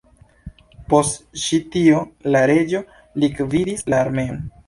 Post ĉi tio, la reĝo likvidis la armeon.